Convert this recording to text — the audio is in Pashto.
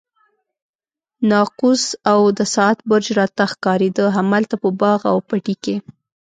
ناقوس او د ساعت برج راته ښکارېده، همالته په باغ او پټي کې.